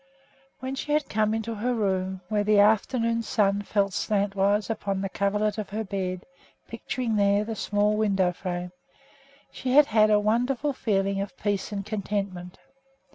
When she had come into her room, where the afternoon sun fell slantwise upon the coverlet of her bed, picturing there the small window frame, she had had a wonderful feeling of peace and contentment.